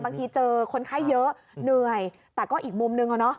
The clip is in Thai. บางทีเจอคนไข้เยอะเหนื่อยแต่ก็อีกมุมนึงอะเนาะ